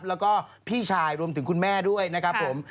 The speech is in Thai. แล้วก็พี่ชายรวมถึงคุณแม่ด้วยนะครับผม